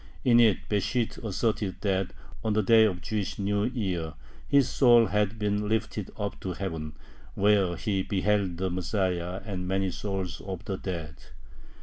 In it Besht asserted that on the day of the Jewish New Year his soul had been lifted up to heaven, where he beheld the Messiah and many souls of the dead.